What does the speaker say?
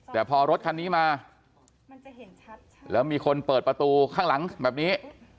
แต่พอรถคันนี้มาแล้วมีคนเปิดประตูข้างหลังแบบนี้